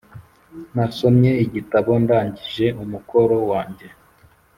nasomye igitabo ndangije umukoro wanjye.